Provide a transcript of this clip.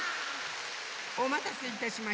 おまたせいたしました。